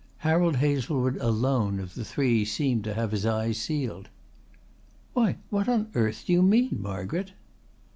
Harold Hazlewood alone of the three seemed to have his eyes sealed. "Why, what on earth do you mean, Margaret?"